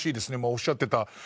おっしゃってた